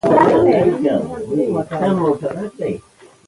کۀ د هرې نظرئې وي